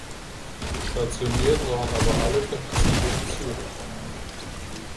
Stationiert waren aber alle fünf Züge in Zürich.